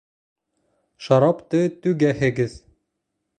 Шарапты түгәһегеҙ!